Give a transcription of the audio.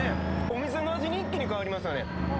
⁉お店の味に一気に変わりますよね。